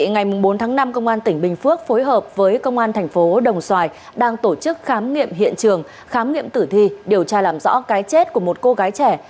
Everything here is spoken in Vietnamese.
ngày bốn tháng năm công an tỉnh bình phước phối hợp với công an thành phố đồng xoài đang tổ chức khám nghiệm hiện trường khám nghiệm tử thi điều tra làm rõ cái chết của một cô gái trẻ